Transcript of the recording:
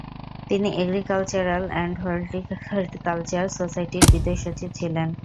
তিনি agricultural and horticulture সোসাইটির বিদেশ সচিব ছিলেন।